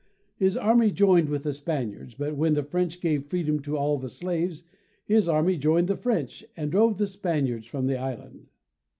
His army joined with the Spaniards, but when the French gave freedom to all the slaves, his army joined the French and drove the Spaniards from the island.